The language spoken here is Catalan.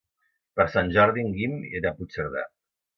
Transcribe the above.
Per Sant Jordi en Guim irà a Puigcerdà.